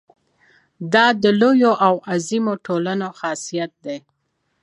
دا د لویو او عظیمو ټولنو خاصیت دی.